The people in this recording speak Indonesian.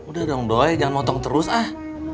udah dong doy jangan motong terus ah